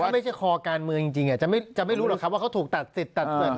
ไม่ใช่คอการเมืองจริงจะไม่รู้หรอกครับว่าเขาถูกตัดสิทธิตัดสิน